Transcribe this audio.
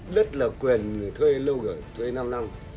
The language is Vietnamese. đất là quyền thuê lâu gở thuê năm năm